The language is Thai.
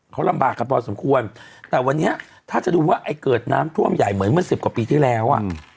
เขาลำบากกันพอสมควรแต่วันนี้ถ้าจะดูว่าไอ้เกิดน้ำท่วมใหญ่เหมือนเมื่อสิบกว่าปีที่แล้วอ่ะ